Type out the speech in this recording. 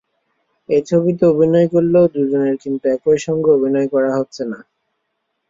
একই ছবিতে অভিনয় করলেও দুজনের কিন্তু একই সঙ্গে অভিনয় করা হচ্ছে না।